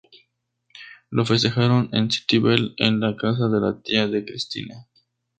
Lo festejaron en City Bell en la casa de la tía de Cristina.